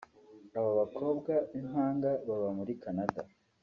Aba bakobwa b’impanga baba muri Canada